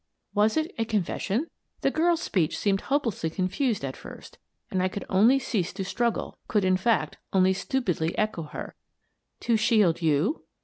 Was it a confession? The girl's speech seemed hopelessly confused at first and I could only cease to struggle, could, in fact, only stupidly echo her. "To shield you?"